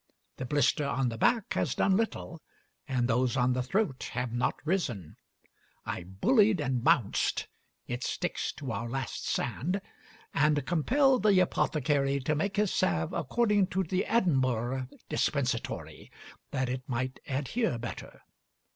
The blister on the back has done little, and those on the throat have not risen. I bullied and bounced (it sticks to our last sand), and compelled the apothecary to make his salve according to the Edinburgh dispensatory, that it might adhere better.